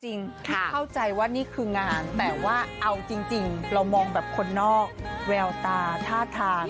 เข้าใจว่านี่คืองานแต่ว่าเอาจริงเรามองแบบคนนอกแววตาท่าทาง